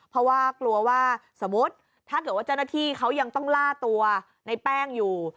เพราะว่ากลัวว่าสมมุติถ้าเกิดว่าเจ้าหน้าที่เขายังต้องล่าตัวในแป้งอยู่